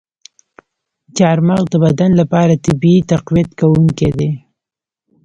چارمغز د بدن لپاره طبیعي تقویت کوونکی دی.